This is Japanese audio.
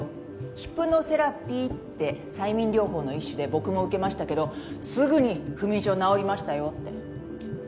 ヒプノセラピーって催眠療法の一種で僕も受けましたけどすぐに不眠症治りましたよって。